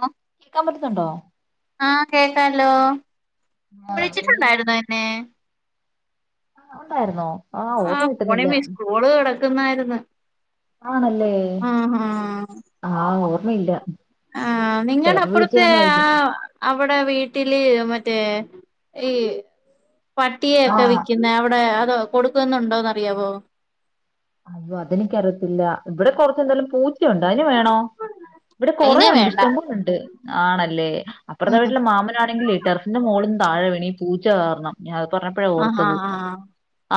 ഓഹ് കേക്കാൻ പറ്റുന്നുണ്ടോ ഹലോ ആഹ് പിന്നെ വിളിച്ചിട്ടുണ്ടായിരുന്നോ എന്നെ ആഹ് ഒണ്ടാരുന്നോ ആഹ് ഫോണി മിസ്കോള് കിടക്കുന്നാര്ന്ന് ആണല്ലേ ആഹ് ഓർമ്മയില്ല ആഹ് നിങ്ങട ചിലപ്പോ വിളിച്ചു അപ്പുറത്തെ ആ കാണുമായിരിക്കും അവ് മ്മുടെ വീട്ടില് മറ്റേ ഈ പട്ടിയെക്കെ ആഹ് വിക്കുന്ന അവിടെ അതോ കൊടുക്കുന്നുണ്ടോന്ന്റിയാവോ അയ്യോ അതെനിക്കറിയത്തില്ല ഇവിടെ കൊറച്ചെന്തായാലും പൂച് യുണ്ട് അതിന് വേണോ ഇവിടെ അയിനെ കൊറെണ്ട് വേണ്ട ഇഷ്ടംപോല ണ്ട് ആണല്ലേ അപ്പറത്തെ ഉം വീട്ടിലെ മാമാനാണെങ്കിലേ ടെറസിന്റെ മോള്ന്ന് താഴെ വീണി പൂച്ച കാരണം ഞന് പറഞ്ഞപ്പോഴ ആഹാ ഓർത്തത് ആഹ്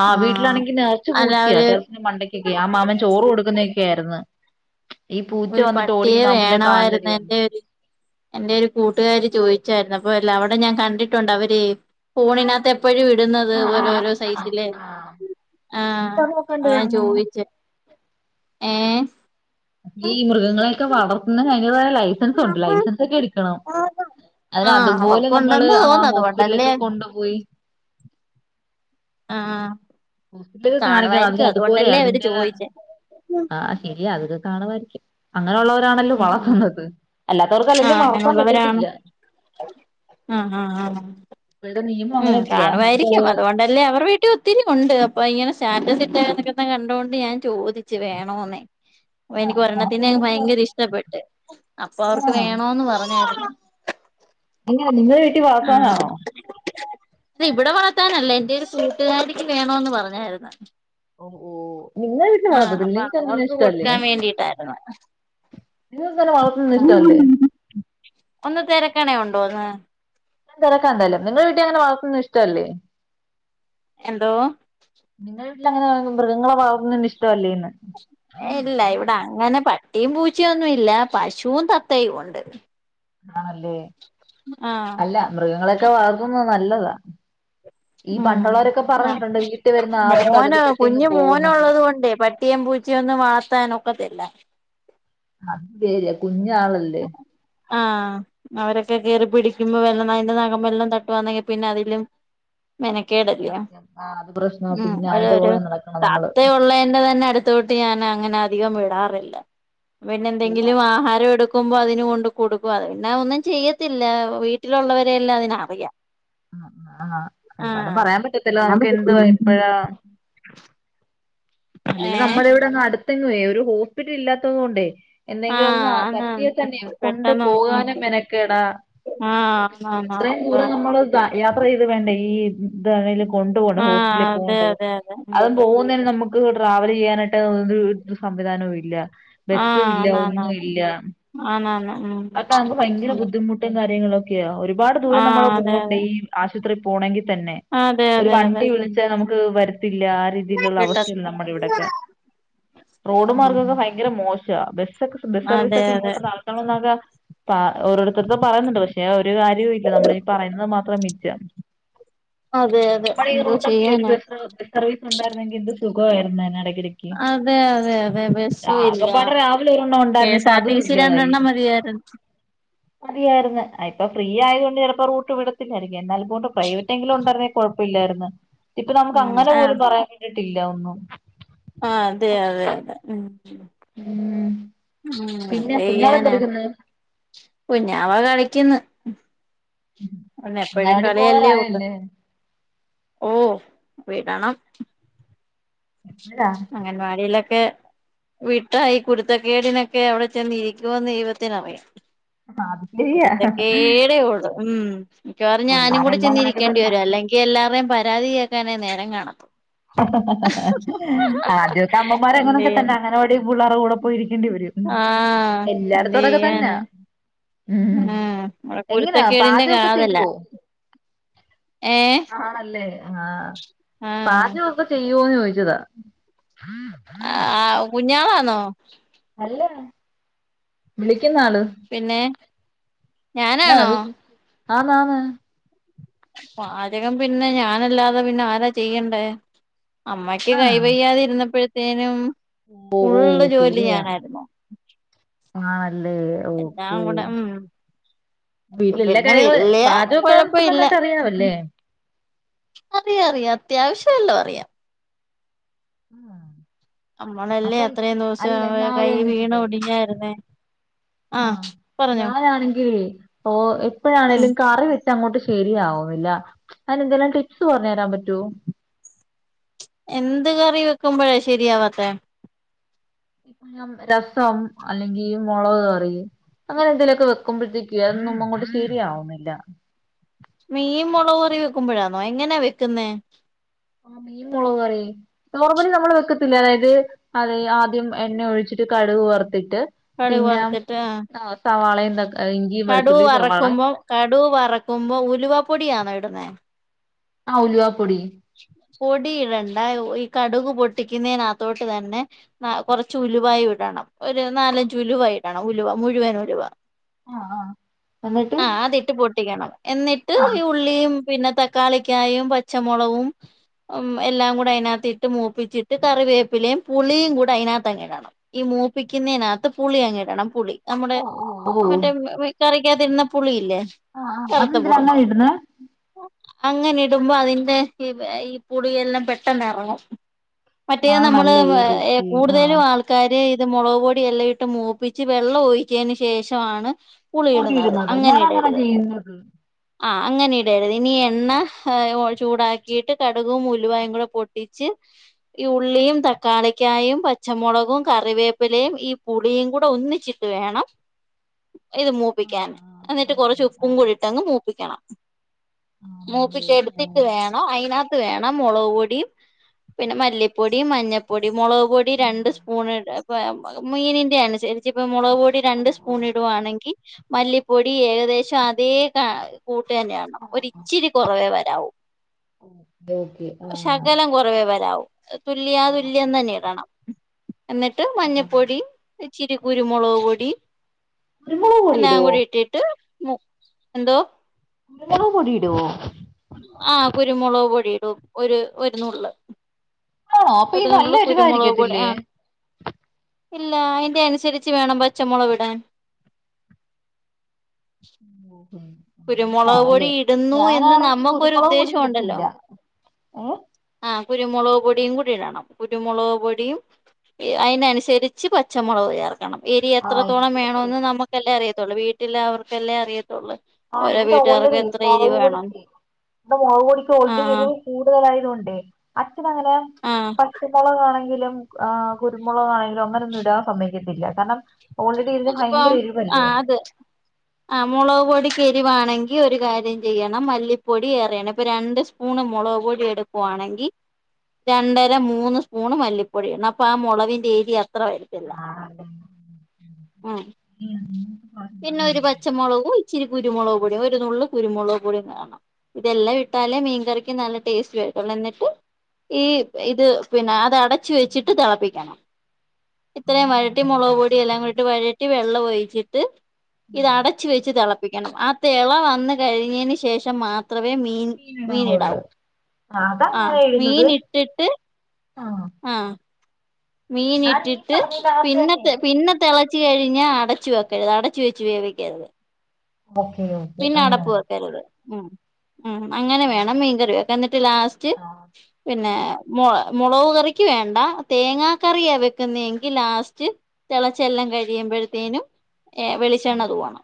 ആ ആഹ് വീട്ടിലാണെങ്കി നർച്ച് അല്ല പൂച്യാ ഒരു ടെറ മണ്ടയ്ക്കൊക്കെ ആ മാമൻ ചോറ് കൊടുക്കുന്നക്കെയാരുന്നു ഒരു പട്ടിയെ കാലിലടി വേണമായിരുന്നു വന്നു എന്റെ ഒരു എന്റെ ഒരു കൂട്ടുകാരി ചോദിച് ച്ചാരുന്നു അപ്പ അല്ല അവിടെ ഞാൻ കണ്ടിട്ടുണ്ട് അവര് ഫോണിനകത്തെപ്പ് പ്പെഴുട്ന്നത് ആഹ് ആഹ് ഓരോരോ ആഹ് സൈസിലെ ആഹ് ആഹ് ആ എന്നിട്ട് അത് അതഞാൻ നോക്കണ്ടായിരുന്നോ ചോദിച്ചേ ഏ ഈ മൃഗങ്ങളെയൊക്കെ വളർത്തുന്നത്തിന് അതിന്റതായ ലൈസൻസൊണ്ട് ലൈസൻസൊക്കെ എടുക്കണം അതിന് ആഹ് അതുപോലെ നമ്മള് അവർക്കുണ്ടെന്ന് ആ തോന്നുന്നു അതുകൊണ്ടല്ലേ ഹോസ്പിറ്റലിലൊക്കെ കൊണ്ടുപോയി ആ ഹോസ്പിറ്റല് കാണിക്കണം അതിനെ അതുപോലെ അവര് അതിന്റെ ത ചോദിച്ചേ ആ ശരിയാ അത് കാണുവായിരിക്കും ആ അങ്ങനെയുള്ളവരാണല്ലോ ഉം ഉം വളർത്തുന്നത് അല്ലാത്തവർക്ക് ആഹ് അല്ലേല്ലും വളർത്താൻ പറ്റത്തില്ല ആ ആ ആ ഇപ്പോഴത്തെ നിയമം ഉം അങ്ങനെയൊക്കെയാ നമുക്ക് കാണുവായിരിക്കും അതുകൊണ്ടല്ലേ അവർ വീട്ടിൽ ഒത്തിരി ഒണ്ട് അപ്പൊ ഇങ്ങനെ സ്റ്റാറ്റസ് ഇട്ട നിക്കെ കണ്ടോണ്ട് ഞാൻ ചോദിച്ചു വേണോന്ന് അപ്പൊ ആ എനിക്ക് ആ, അപ്പൊ ഒരെണ്ണത്തിനെ അവിടെ ഭയങ്കര ഇഷ്ടപ്പെട്ട് അപ്പൊ അവർക്ക് വേണോന്ന് പറഞ്ഞേര്ന്നു അല്ല നിങ്ങളെ വീട്ടി ആഹ് വളർത്താനാണോ ഇവിടെ വളത്താനല്ല എന്റെ ഒരു കൂട്ടുകാരിക്ക് വേണോന്ന് പറഞ്ഞാര്ന്ന് ഓ നിങ്ങളെ വീട്ടിൽ ആഹ് വളർത്തത്തില്ലേ അപ്പൊ നിങ്ങക്ക് അങ്ങനെ അവർക്ക് ഇഷ്ടല്ലേ കൊടുക്കാൻ വേണ്ടിട്ടായ്ര്ന്നു [inaudible] നിങ്ങൾക്ക് അങ്ങനെ വളർത്തുന്നത് ഇഷ്ടല്ലേ ഒന്ന് തെരക്കണെ ഉണ്ടോന്ന് ഞാൻ തിരക്കാന്താലും ന്നിങ്ങളെ വീട്ടി അങ്ങനെ വളർത്ത്ന്ന ഇഷ്ടല്ലേ എന്തോ [unintelligible] മൃഗങ്ങളെ വളർത്തുന്നത് ഇഷ് ഇല്ല ഇവിടെ അങ്ങനെ പ ട്ടിം പൂച്ചയൊന്നുല്ല പശും തത്തയൊണ്ട് ആണല്ലേ അല്ല മൃഗങ്ങളൊക്കെ വളർത്തുന്നത് നല്ലതാ ഈ പണ്ടുള്ളവരൊക്കെ ഉം ആ പറഞ്ഞിട്ടുണ്ട് വീട്ടിൽ വരുന്ന ആപത്ത് അതിൽ മോന് തട്ടിയങ്ങ് കുഞ്ഞ് പോവുന്നൊക്കെ മോനുള്ളത് കൊണ്ടെ പട്ടിം പൂച്ച ഒന്നും വളർത്താനൊക്കത്തില്ല അത് ശെരിയാ കുഞ് ആ അവരൊക്കെ കേറി പിടിക്കുമ്പോ വെല്ലോ അയ്ന്റെ നഖം വല്ലോം തട്ടുവാന്നെങ്കിൽ പിന്നെ അതിലും മെനക്കേടല്ലയോ സത്യം ആ അത് പ്രശ്നവാ ഉം പിന്നെ ഒരു അയിന്റെ ഒരു പുറകെ നടക്കണം നമ്മള് തത്ത ഉള്ളേന്റെന്നെ അടുത്തോട്ട് ന്നെ അങ്ങനെ അധികം വിടാറില്ല. പിന്നെ ശരിയാ എന്തെങ്കിലും ആഹാരം എടു ക്കുമ്പോ അതിന് കൊണ്ട് കൊടുക്കും അത് പിന്നെ ഒന്നും ചെയ്യത്തില്ല വീട്ടിലുള്ളവരെയല്ലാം അതിന് അറിയാ. അ ആ അത് പറയാൻ പറ്റത്തില്ല നമുക്ക് എന്ത്‌ വരുമ്പഴാ അല്ലേലും ഏഹ് നമ്മുടെ ഇവിടെന്നും അടുത്തെങ്ങുവേ ഒരു ഹോസ്പിറ്റൽ ഇല്ലാത്തത്കൊണ്ടേ എന്തെങ്കിലും ആഹ് ഒന്ന് ആ പറ്റിയെ തന്നെ ആന്നാന്ന് കൊണ്ട് പെട്ടെന്ന് ഉം പോകാനും മെനക്കേടാ ആഹ് ആന്നാന്ന് ഇത്രയും അതാ ദൂരം നമ്മൾ യാത്ര ചെയ്ത് വേണ്ടേ ഈ ഇതാണെകിലും കൊണ്ടു പോകണം ഹോസ്പ്പിറ്റലിൽ ആഹ് അതെ പോണ്ടേ അതെ അതെ ഉം അതും പോകുന്നേന് നമു ക്ക് ട്രാവൽ ചെയ്യാനായിട്ട് ഒരു സംവിധാനവും ഇല്ല. ആഹ് ബസ്സുല്ല ആന്നാന്നാന്ന് ഒന്നുല്ല ആന്നാന്ന് അതൊക്കെ നമ്മക്ക് ഭയങ്കര ഉം ബുദ്ധിമുട്ടും കാര്യങ്ങളൊക്കെയാ ഒരുപാട് ദൂരം ആഹ് നമ്മള് അതെ പോണ്ടേ ഈ ആശുപത്രി പോണങ്കി തന്നെ അതെ ഒരു അതെ അതെ അതെ വണ്ടി ഉം വിളിച്ച് നമുക്ക് വര ത്തില്ല ആ രീതിയിലുള്ള കിട്ട അവസ്ഥയാണ് നമ്മുടെ ഇവിടെയൊക്കെ റോഡ് ഉം മാർഗ്ഗക്കെ ഭയങ്കര മോ ശാ അ ബസക്കെ ബസ് സർവീസ് അതെ ഒക്കെ അതെ ഇങ്ങോട്ട് നടക്കണംന്നാക പ ഓരോരുത്തർത്തും പറയുന്നുണ്ട് പക്ഷെ ഒരു കാര്യവും ഇല്ല നമ്മള ഈ പറയുന്നത് മാത്രം മിച്ചം. അതെ അതെ നമ്മളേ ഈ എന്തോ റൂട്ടൊക്കെ ഒരു ചെയ്യാനാ ബസ്സ് ബസ് സർവീസ് ഉണ്ടായിരുന്നെങ്കിൽ എന്ത് സുഖമായിരുന്നേനെ ടി. അതെ അതെ അതെ ബസും ഇല്ല ആകെപ്പാടെ രാവിലെ ഒരെണ്ണം കെ ഉണ്ടായിരുന്നു എസ് ഇപ്പൊ ആർ ടി അതും സി ഇല്ലാതായി രണ്ടെണ്ണം മതിയായിരുന്നു. [inaudible] മതിയായിരുന്നു അ ഇപ്പൊ ഫ്രീ ആയത് കൊണ്ട് ചിലപ്പോ റൂട്ട് വിടത്തിയിരി എന്നാലൽപോണ്ടും പ്രൈവറ്റങ്കിലും ഉണ്ടായിരുന്നേ കുഴപ്പില്ലായിരുന്നു ഇപ്പൊ നമുക്ക് അങ്ങനെ പോലും പറയാൻ വേണ്ടിട്ട് ട്ടില്ല ഒന്നും. ആ അതെ അതെ അതെ ഉം. ഉം ഉം അത് പിന്നെ ചെയ്യാനാ കുഞ്ഞാളെന്തെടുക്കുന്നു കുഞ്ഞാവ കളിക്ക്ന്ന്. അവന് എപ്പോഴും അങ്ങനവാടി കളിയല്ലേ ഉള്ളു. പോവാറായല്ലേ ഓ വിടണം അംഗൻവാടിയില ക്കെ വിട്ടാ ഈ കുരുത്തക്കേടിനെക്കെ അവിടെ ചെന്ന് ഇരിക്കുവോന്ന് ദൈവത്തിന് അറിയാ. അത് ശരിയാ കുരുത്തക്കേടെ ഉള്ളൂ ഉം. മിക്കവാറുംഞാനും കൂടെ പിള്ളാരെല്ലാം അങ്ങനൊക്കെ ചെന്നിരിക്കേണ്ടി തന്നെ വരും അല്ലെങ്കിൽ എല്ലാവാരേയും പരാതി കേൾക്കാനെ നേരം കാണത്തു [inaudible] ആദ്യമൊക്കെ [inaudible] അമ്മമാര് എന്തേ അങ്ങനൊക്കെ തന്നെ അങ്ങനവാടി പിള്ളേരുടെ കൂടെ പോയിരിക്കേണ്ടി വരും ആ എന്തേ? എല്ലായിടത്തും ക്കേ അതൊക്കെ തന്നാ യാണ്. ഉം എങ്ങനാ പാചകമൊക്കെ കാതലാ ചെയ്യുവോ? ഏഹ് ആഹ് അല്ലേ. ആ ആഹ് പാചകക്കെ ചെയ്യുവോന്ന് ചോദിച്ചതാ. ആ കുഞ്ഞാളാന്നോ? അല്ല വിളിക്കുന്ന ആള്. പിന്നെ ഞാനാണോ? ആമ ആമ. പാചകം പിന്നെ ഞാനല്ലാതെ പിന്നെ ആരാ ചെയ്യണ്ടേ. അമ്മയ്ക്ക് ആഹ് കൈവയ്യാതി ഇരുന്നപ്പോഴത്തേനും ഓ ഓ ഫുള്ള് ജോലി ശരിയാ ഞാനായിരുന്നു. ആണല്ലേ ഓക്കേ. എല്ലാം കൂടെ ഉം വീട്ടിലെ എല്ലാ പിന്നെ കാര്യങ്ങള് വല്യ പാചകക്കെ അത്ര നന്നായിട്ട് അറിയാമല്ലേ. അറിയ അറിയാ അത്യാവശ്യ വല്ലോ അറിയാം. ആ അമ്മളല്ലേ അത്രയും ദിവസം ഞാൻ കൈ വീണ ഒടിഞ്ഞായിരുന്നേ ആ ആഹ് പറഞ്ഞോ ഞാനാണെങ്കിൽ ഇപ്പോ ഉം എപ്പഴാണേലും കറി വെ ച്ചാ അങ്ങോട്ട് ശരിയാവുന്നില്ല അതിനെന്തെലും ടിപ്സ് പറഞ്ഞു തരാൻ പറ്റോ. എന്ത് കറി വെക്കുമ്പഴേ ശരിയാവാത്തെ ഞ്ഞം രസം അല്ലെങ്കി മുളക് കറി അങ്ങനെന്തേലുക്കെ വെക്കുമ്പോഴത്തേക്ക് അതൊന്നും അങ്ങോട്ട് ശരിയാവുന്നില്ല മീൻ മുളക് കറി വെക്കുമ്പോഴാന്നോ എങ്ങനാ വെക്കുന്നേ ആ മീൻ മുളക് കറി നോർമലി നമ്മൾ വെക്കത്തി ല്ലേതായത് അത് ആദ്യം എണ്ണ ഒഴിച്ചിട്ട് കടുക് വർത് ത്തിട്ട് കടുക് പിന്നെ വറുത്തിട്ട് ആ സവാളയുംന്തൊ ഇഞ്ചിയും കടുക് വെളുത്തുള്ളി സവാള വറക്കുമ്പോ കടുക് വറക്കുമ്പോ ഉലുവപ്പൊടിയാണോ ഇടുന്നെ ആ ഉലുവ പൊടി ഇടണ്ടാ ഉയ്‌ കടുക് പൊട്ടിക്കുന്നതിനകത്തോട്ട് തന്നെ കുറച്ച് ഉലുവായിടണം ഒരു നാലഞ്ചു ഉലുവായി ടണം ഉലുവ മുഴുവൻ ഉലുവ ആഹ് ആഹ് എന്നിട്ട് ആ അതിട്ട് പൊട്ടിക്കണം എന്നിട്ട് ആഹ് ഈ ഉള്ളിയും പിന്നെ തക്കാളിക്കായും പച്ചമുളകും ഉം എല്ലാം കൂടി അതിനകത്ത് ഇട്ട് മൂപ്പിച്ചിട്ട് കറിവേപ്പിലയും പുളിയും കൂടെ അതിനകത്തങ്ങ്ടണം ഈ മൂ മൂപിക്കുന്നേനകത്ത് പുളിയങ്ങിടണം പുളി നമ്മടെ ഓഹ് ഓഹ് മറ്റേ കരിക്കകത്തിട്ന പുളിയി ല്ലേ ആഹ് ആഹ് അതെന്തിനാ കറുത്തപുളി അങ്ങനെ ഇടുന്നെ അങ്ങനെ ഇടുമ്പോ അതിന്റെ ഈ ഈ പുളിയെല്ലാം പെട്ടെന്നിറങ്ങും മറ്റേത് നമ്മള് ആണല്ലേ ഓക്കെ ആഹ് കൂടുതലും ആൾക്കാര് ഇത് മുളക് പൊടി എല്ലാം ഇട്ട് മൂപ്പിച്ച് വെള്ളം ഒഴിക്കതിന് ശേഷമാണ് പുളി പുളിയിടുന്നത് ഇടുന്നത് അങ്ങനെ ഞാൻ ഇടരുത് ചെയ്യുന്നത് ആ അങ്ങനെ ഇടരുത് ഇനി എണ്ണ ഹേ ഒഴി ചൂടാക്കിയിട്ട് കടുകും ഉലുവായും കൂടെ പൊട്ടിച്ച് ഈ ഉള്ളിയും തക്കാളിക്കായും പച് ച്ചമുളകും കറിവേപ്പിലയും ഈ പുളിയും കൂടെ ഒന്നിച്ചിട്ട് വേണം ഇത് ആഹ് മൂപ്പിക്കാൻ ആഹ് എന്നിട്ട് കൊറച്ച് മനസ്സിലായി ഉപ്പും ആഹ് കൂടി ഇട്ടങ്ങ് മൂപ്പിക്കണം ആണല്ലേ മൂപ്പിച്ചെടുത്തിട്ട് ആഹ് വേണം അതിനതിനകത്ത് വേണം മുളക് പൊടിയും പിന്നെ മല്ലിപ്പൊടിയും മഞ്ഞപ്പൊടിയ മുളക് പൊടി ഉം രണ്ട് സ്പൂൺ ഇട ഇപ്പ മീനിന്റെ അനുസരിച്ച് ഇപ്പം മുളക് പൊടി രണ്ട് ഓഹ് സ്പൂൺ ഓഹ് ഇടുവാണെങ്കിൽ മല്ലിപ്പൊടി ഏകദേശം അതേ ക കൂട്ട് തന്നെയാവണം ആഹ് ഒരിച്ചിരി കുറവേ വരാവൂ ഓക്കെ ഓക്കെ ആഹ് ശകലം കുറവേ വരാവൂ ആഹ് തുല്യാതുല്യം തന്നെ ഇടണം എന്നിട്ട് ആഹ് മഞ്ഞപ്പൊടി ച്ചിരി കുരുമുളക് പൊടി കുരുമുളക് പൊടി എല്ലാം ഇടുവോ കൂടി ഇട്ടിട്ട് മു എന്തോ മുളക്പൊടിടോ ആ കുരുമുളക് പൊടീടും ഒരു ഒരുനുള്ള് ആണോ അപ്പൊ ഈ നല്ല ഒരുനുള്ള് കുരുമുളക്പൊടി എരിവായിരിക്കത്തില്ലേ ആഹ് ഇല്ലാ അതിന്റെ അനുസരിച്ച് വേണം പച്ചമുളക് വിടാൻ ഉ കുരുമുളക് അങ്ങനാണല്ലേ പൊടി ഇടുന്നു എന്ന് ഞാനാണെങ്കി നമുക്കൊരു കുരുമുളകും കൂടി ഉദ്ദേശം ഉണ്ടല്ലോ ഇടത്തില്ല ഏ ആഹ് കുരുമുളക് പൊടിയും കൂടിടണം കുരുമുളക് പൊടിയും അതിനനുസരിച്ച് പച്ചമുളക്ചേർക് ണം എരി ആഹ് എത്രത്തോളം ഇവിടത്തെ വേണോന്ന് നമുക്കല്ലേ അറിയത്തുള്ളൂ വീട്ടിലാവർക്കല്ലേ അറിയത്തുള്ളൂ ആ ഓരോ ഇവിടെ വീട്ടുകാർക്ക് ഓൾറെഡി എത്ര എരിവ് മുളക് വേണം പൊടിക്ക് ഇവിടെ മുളക്പൊടിക്ക് ഓൾറെഡി ആഹ് എരിവ് കൂടുതലായതോണ്ട് ഏ അച്ഛനങ്ങനെ ആഹ് പച്ചകളാരാണെങ്കിലും ആ കുരുമുളകാണെങ്കിലും അങ്ങനെ ഒന്നും ഇടാൻ സമ്മയിക്കത്തില്ല കാരണം ഓൾറെഡി ഇതിന് ഇപ്പം ഭയങ്കര ആ എരിവല്ലേ അത് ആമുളക് പൊടി എരിവാണെങ്കിൽ ഒരു കാര്യം ചെയ്യണം മല്ലിപ്പൊടി ഏറയണം ഇപ്പോൾ രണ്ട് സ്പൂണ് മുളക് പൊടി എടുക്കുവാണ് ങ്കി രണ്ടര മൂന്ന് സ്പൂണ് മല്ലിപ്പൊടിയിടണം അപ്പൊ ആ മുളവിന്റെ എരി [inaudible] ആഹ് അതെ. ആ ഉം പിന്നെ ഒരു പച്ചമുളകും ഇത്തിരി കുരുമുളകും [inaudible] ഒരു നുള് കുരുമുളക് പൊടിയും കാണണം ഇതെല്ലാം ഇട്ടാലേ മീൻകറിക്ക് നല്ല ടേസ്റ്റ് വരുത്തൊള്ളൂ എന്നിട്ട് ഈ ഇത് പിന്നെ അത് അടച്ചു വെച്ചിട്ട് തിളപ്പിക്കണം ഇത്രയും വഴട്ടി മുളക് അങ്ങനാണല്ലേ പൊടിയ എല്ലാം കൂടിട്ട് വഴട്ടി വെള്ളം ഒഴിച്ചിട്ട് ഉം. ഇത് അടച്ച് വെച്ച് തിളപ്പിക്കണം ആ തിള വന്ന കഴിഞ്ഞതിന് ശേഷം മാത്രം മീൻ മീൻ മീനിടാവൊള്ള് ഇടാവൂ ആ അതങ്ങനെ മീൻ എഴുന്നത് ഇട്ടിട്ട് ആഹ് ആ മീൻ ഞാൻ ഈ ഇട്ടിട്ട് പറഞ്ഞതിനകത്ത് പിന്നെ തന്നെ പിന്നെ തിളച്ച കഴിഞ്ഞ അട അടച്ചു വെച്ച് വേവിക്കരുത് ഓക്കെ ഓക്കെ പിന്നെ അങ്ങനെ അടപ്പ് വെക്കരുത് അങ്ങനെ വേണം ആഹ് മീൻകറി വെയ്ക്കാൻ എന്നിട്ട് ലാസ്റ്റ് ആഹ് പിന്നെ മുളക് കറിയ്ക്ക് വേണ്ട തേങ്ങക്കറിയാ വെക്കുന്നതെങ്കിൽ ലാസ്റ്റ് തിളചെല്ലാം കഴിയുമ്പോഴത്തേനും ഓഹ് വെളിച്ചെണ്ണ തൂപണം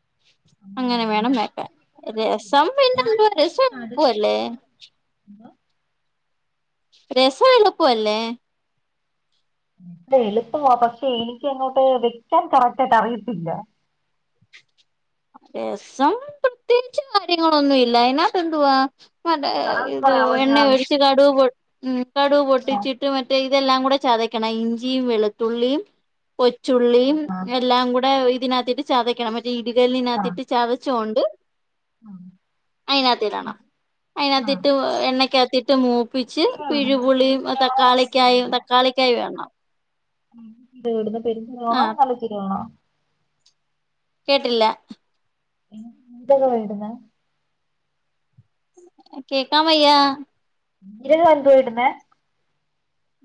[inaudible] അങ്ങനെ അങ്ങനല്ലേ വേണം ഞാൻ വെയ്ക്കാൻ രസം പിന്നെ എന്തോ ഞാനിങ്ങനെ ഈ രസം കടുകും എളുപ്പമല്ലേ രസം എളുപ്പമല്ലേ എളുപ്പമാ പക്ഷെ എനിക്ക് അങ്ങോട്ട് വെയ്ക്കാൻ കറക്റ്റ് ആയിട്ട് അറിയത്തില്ല രസം പ്രത്യേകിച്ച് കാര്യങ്ങളൊന്നും ഇല്ല അതിനകത്ത് എന്തുവാ മറ്റേ ആഹ് അതൊന്ന് ഇത് പറയാവോ എണ്ണ എങ്ങനാന്ന് ഒഴിച്ച് കടുക് ആഹ് പൊട്ടിച്ചിട്ട് മറ്റേ ഇതെല്ലാം കൂടെ ചതക്കണം ഇഞ്ചിയും വെളുത്തുള്ളിയും കൊച്ചുള്ളിയും ആഹ് എല്ലാം കൂടെ ഇതിനകത്തിട്ട് ചതക്കണം മറ്റേ ആഹ് ഇടികലിനകത്തിട്ട് ചതച്ചുകൊണ്ട് [inaudible] അതിനകത്ത് ഇടണം ആഹ് അതിനകത്തിട്ട് എണ്ണക്കകത്തിട്ട് എന്ത് മൂപ്പിച്ച് ജീരകാ ഇടുന്നത് പിഴുപുള്ളിയ പെരുംജീരകാണോ തക്കാളിക്കായ തക്കാളി [inaudible] ഇവിടുന്ന് [inaudible] ആഹ് നല്ല [inaudible] വേണോ കേട്ടില്ല എന്തൊക്കെ [inaudible] കേൾക്കാം വയ്യാ [inaudible] [inaudible]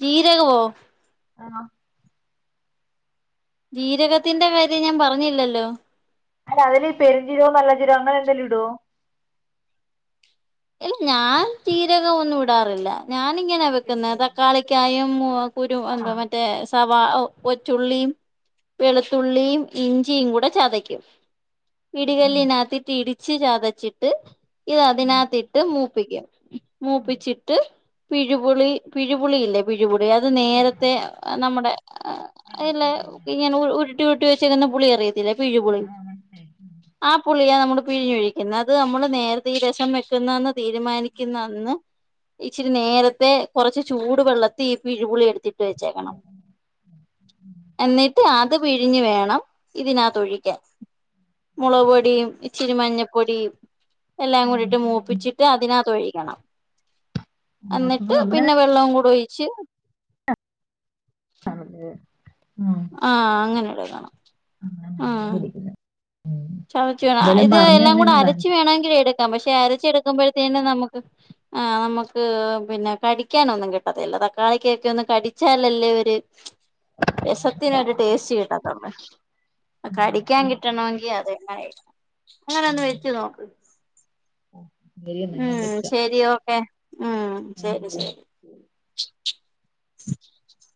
ജീരകോ ആ ജീരകത്തിന്റെ കാര്യം ഞാൻ പറഞ്ഞില്ലല്ലോ അല്ല അതിൽ ഈ പെരുഞ്ചീരകേ നല്ല ജീരകോ അങ്ങനെ എന്തേലും ഇടുവോ ഇല്ല ഞാൻ ജീരകം ഒന്നും ഇടാറില്ല ഞാൻ ഇങ്ങനെയാ വെക്കുന്ന തക്കാളിക്കായും [inaudible] കുരും ആഹ് മറ്റേ സവാള കൊച്ചുള്ളിയും വെളുത്തുള്ളിയും ഇഞ്ചിയും കൂടെ ചതയ്ക്കും. പിടികല്ലിനകത്തിട്ട് ഇടിച്ച് ചതച്ചിട്ട് ഇത് അതിനകത്തിട്ട് മൂപ്പിക്കും. മൂപ്പിച്ചിട്ട് പിഴുപുളി പിഴിപുളി ഇല്ലേ പിഴിപുളി അത് ആഹ് നേരത്തെ നമ്മടെ അല്ല ഇങ്ങെനെ ഉരുട്ടി ഉരുട്ടി കുട്ട വെച്ചക്കന്ന പുളി അറിയത്തില്ല പിഴുപുളി ആ പുളിയാ നമ്മൾ പിഴിഞ്ഞൊഴിക്കുന്നത് അത് നമ്മൾ നേരത്തെ ഈ രസം വെ [inaudible] തീരുമാനിക്കുന്നെന്ന് ഇച്ചിരി നേരത്തെ കുറച്ച് ചൂട് വെള്ളത്തിൽ ഈ പിഴുപുളി എടുത്തിട്ട് വെച്ചേക്കണം എന്നിട്ട് ആദ്യ അത് പിഴിഞ്ഞു വേണം ഇതിനാ തൊഴിക്കാൻ മുളക് പൊടിയും ഇത്തിരി മഞ്ഞപ്പൊടിയും എല്ലാം കൂടിട്ട് മൂപ്പിച്ചിട്ട് അതിനകത്ത് ഒഴിക്കണം എന്നിട്ട് അങ്ങനെ പിന്നെ വെള്ളം കൂടെ ഒഴിച്ച് ആഹ അങ്ങനെയട കാണാം ആ വിളിക്കുന്നത് ചതച്ച വീണ ഇത് എല്ലാം കൂടെ തന്നതിന് അരച്ചച്ച് താങ്ക്സ് വേണമെങ്കിലും എടുക്ക പക്ഷെ അരച്ചെടുക്കുമ്പോഴത്തേനെ നമുക്ക് ആ് നമുക്ക് പിന്നെ കടിക്കാന ഒന്നും കിട്ടതല്ല തക്കാളിക്കൊക്കെ ഒന്ന് കടിച്ചാലല്ലേര് രസത്തിനൊരു ടേസ്റ്റ് കിട്ടത്തുള്ളേ കടിക്കാൻ കിട്ടണമെങ്കിൽ അത അങ്ങനെ ഒന്ന് വെച്ചു നോക്ക് ശരി എന്നാ ഞാൻ ഉം വെക്കാം ശരി ഓക്കെ ഉം താങ്ക് ശരി യു ശരി [unintelligible]